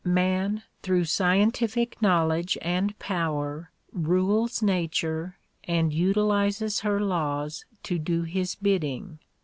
Man tlirongli scientific knowledge and power rales nature and utilizes her laws to do his bidding.